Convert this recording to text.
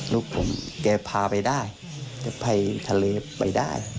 ลูกผมแกพาไปได้แกไปทะเลไปได้